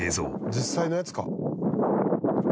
実際のやつか。